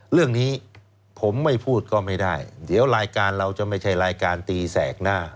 เรื่องนี้ผมไม่พูดก็ไม่ได้เดี๋ยวรายการเราจะไม่ใช่รายการตีแสกหน้า